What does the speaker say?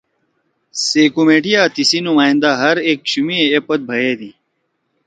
سے کمیٹی آں تیسی نمائندہ ہر ِاکشُومے ایپوت بھیَدی۔